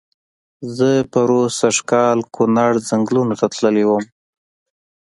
زه پرو سږ کال کونړ ځنګلونو ته تللی وم.